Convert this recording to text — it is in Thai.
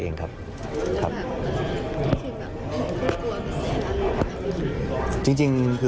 ตั้งใจครับตั้งใจเองครับ